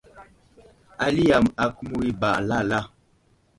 Ali yam akumiyo ba lala.